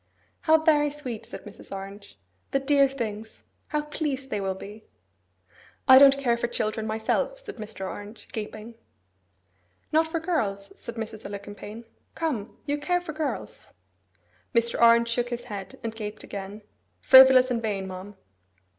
'How very sweet!' said Mrs. Orange. 'The dear things! How pleased they will be!' 'I don't care for children myself,' said Mr. Orange, gaping. 'Not for girls?' said Mrs. Alicumpaine. 'Come! you care for girls?' Mr. Orange shook his head, and gaped again. 'Frivolous and vain, ma'am.